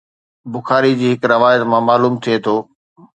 بخاري جي هڪ روايت مان معلوم ٿئي ٿو